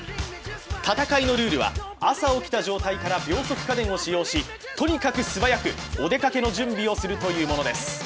戦いのルールは朝起きた状態から秒速家電を使用しとにかく素早くお出かけの準備をするということです。